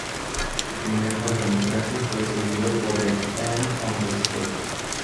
Su primer largometraje fue seguido por The End of St.